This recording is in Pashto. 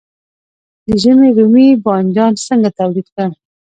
د ژمي رومي بانجان څنګه تولید کړم؟